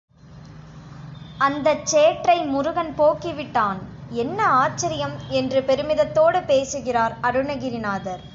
அந்தச் சேற்றை முருகன் போக்கி விட்டான் என்ன ஆச்சரியம் என்று பெருமிதத்தோடு பேசுகிறார் அருணகிரிநாதர்.